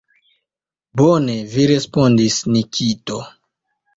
Bone vi respondis, Nikito!